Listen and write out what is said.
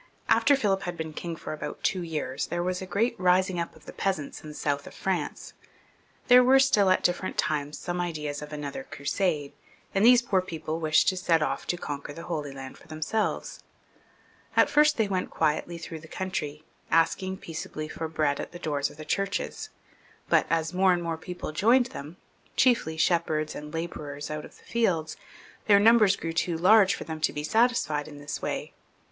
After Philip had been king for about two years, there was a great rising up of the peasants in the south of France. There were still at different times some ideas of another Crusade, and these poor people wished to set off to conquer the Holy Land for themselves. At first they went quietly through the country, asking peaceably for bread at the doors of the churches ; but as more and more people joined them, chiefly shepherds and labourers out of the fields, their numbers grew too large for them to be satis fied in this way.